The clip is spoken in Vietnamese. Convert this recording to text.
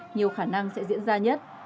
nhiều khả năng sẽ diễn ra nhất